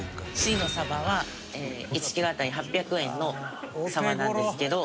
Ｃのサバは１キロ当たり８００円のサバなんですけど。